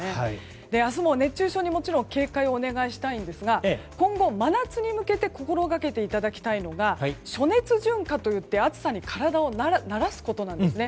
明日も熱中症にもちろん警戒をお願いしたいんですが今後、真夏に向けて心がけていただきたいのが暑熱順化と言って暑さに体を慣らすことなんです。